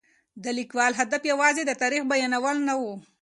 د لیکوال هدف یوازې د تاریخ بیانول نه و.